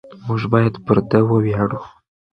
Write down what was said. موږ باید پر ده وویاړو.